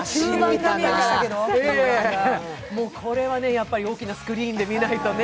これはやはり大きなスクリーンで見ないとね。